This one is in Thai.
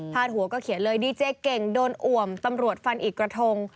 หัวก็เขียนเลยดีเจเก่งโดนอ่วมตำรวจฟันอีกกระทง